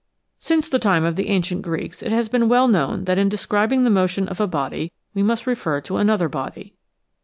Since the time of the ancient Greeks it has been well known that in describing the motion of a body we must refer to another body.